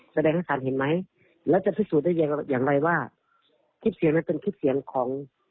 แสดงให้สารเห็นไหมแล้วจะพิสูจน์ได้ยังไงว่าคลิปเสียงนั้นเป็นคลิปเสียงของ